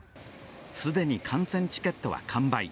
既に観戦チケットは完売。